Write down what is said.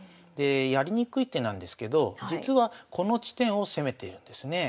やりにくい手なんですけど実はこの地点を攻めているんですね。